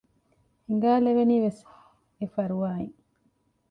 ހިނގައިލެވެނީ ވެސް އެފަރުވާ އިން